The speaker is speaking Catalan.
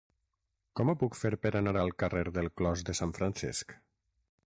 Com ho puc fer per anar al carrer del Clos de Sant Francesc?